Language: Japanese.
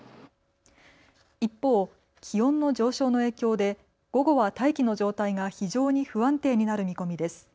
一方、気温の上昇の影響で午後は大気の状態が非常に不安定になる見込みです。